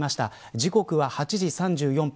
時刻は８時３４分。